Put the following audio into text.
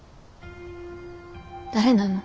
誰なの？